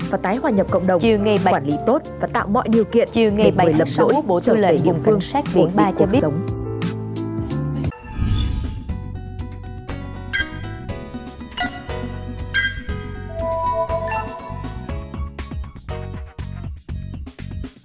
và tái hoàn nhập cộng đồng quản lý tốt và tạo mọi điều kiện để người lầm đỗi cho về địa phương ổn định cuộc sống